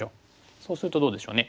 そうするとどうでしょうね。